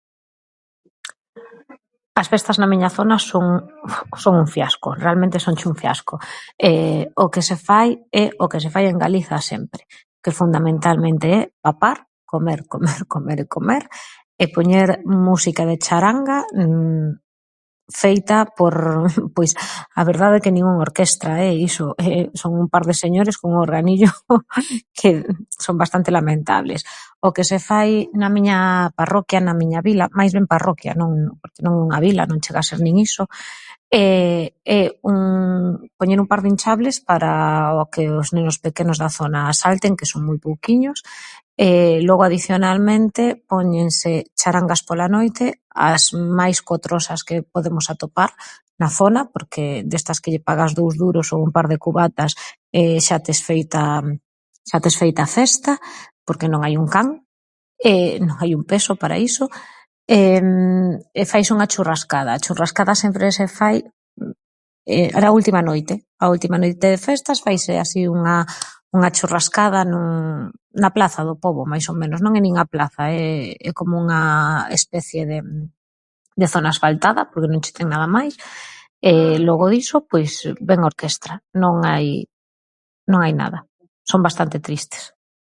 As festas na miña zona son, son un fiasco, realmente sonche un fiasco. O que se fai, é o que se fai en Galiza sempre, que fundamentalmente é papar, comer, comer, comer e comer e poñer música de charanga feita por, pois, a verdade, é que nin unha orquesta é iso, son un par de señores cun organillo que, son bastante lamentables. O que se fai na miña parroquia, na miña vila, máis ben parroquia non non é unha vila, non chega a ser nin iso, é poñer un par de inchables para o que os nenos pequenos da zona salten, que son moi pouquiños, e logo, adicionalmente, póñense charangas pola noite, as máis cotrosas que podemos atopar, na zona, porque, destas que lle pagas dous duros ou un par de cubatas e xa tes feita, xa tes feita a festa, porque non hai un can, non hai un peso para iso, e faise unha churrascada. A churrascada sempre se fai a última noite, a última noite de festas faise así unha unha churrascada na plaza do pobo, máis ou menos, non é nin a plaza é é como unha especie de, de zona asfaltada porque non che ten nada máis. E logo diso, pois vén a orquestra, non hai, non hai nada. Son bastante tristes.